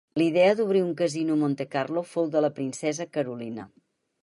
La idea d'obrir un casino a Montecarlo fou de la princesa Carolina.